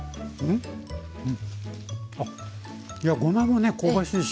あごまもね香ばしいし。